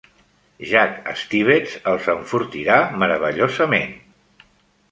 Jack Stivetts els enfortirà meravellosament.